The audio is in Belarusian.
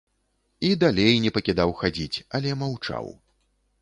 І далей не пакідаў хадзіць, але маўчаў.